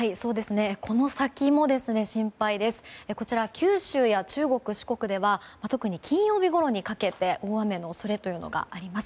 九州や中国、四国では特に金曜日ごろにかけて大雨の恐れがあります。